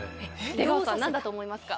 出川さん何だと思いますか？